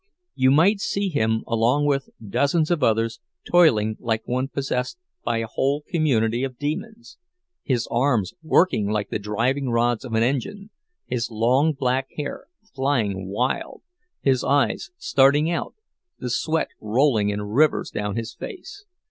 You might see him, along with dozens of others, toiling like one possessed by a whole community of demons; his arms working like the driving rods of an engine, his long, black hair flying wild, his eyes starting out, the sweat rolling in rivers down his face.